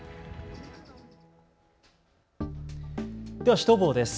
シュトボーです。